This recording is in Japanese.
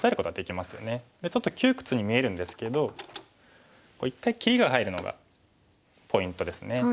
ちょっと窮屈に見えるんですけど一回切りが入るのがポイントですね。